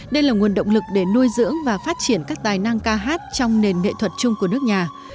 đây là nguồn động lực để nuôi dưỡng và phát triển các tài năng ca hát trong nền nghệ thuật chung của nước nhà